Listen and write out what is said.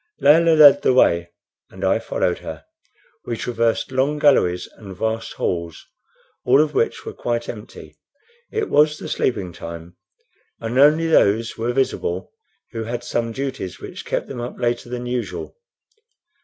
Layelah led the way, and I followed her. We traversed long galleries and vast halls, all of which were quite empty. It was the sleeping time, and only those were visible who had some duties which kept them up later than usual.